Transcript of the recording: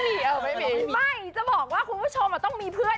ไม่มีไม่จะบอกว่าคุณผู้ชมต้องมีเพื่อน